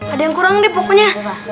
ada yang kurang deh pokoknya